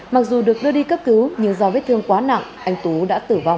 mặc dù được đưa đi cấp cứu nhưng do vết thương quá nặng anh tú đã tử vong